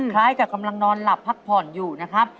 คล้ายกับกำลังนอนหลับพักผ่อนอยู่นะครับ